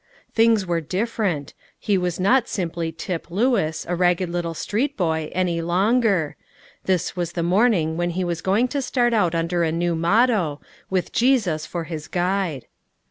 Things were different: he was not simply Tip Lewis, a ragged little street boy, any longer; this was the morning when he was going to start out under a new motto, with Jesus for his guide.